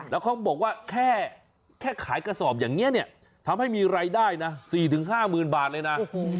แล้วเขาบอกว่าแค่ขายกระสอบอย่างนี้เนี่ยทำให้มีรายได้นะ๔๕๐๐๐บาทเลยนะ